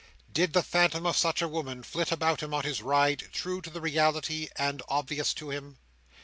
Did the phantom of such a woman flit about him on his ride; true to the reality, and obvious to him?